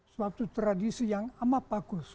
suatu tradisi yang amat bagus